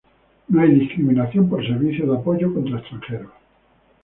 No hay discriminación por servicios de apoyo contra extranjeros.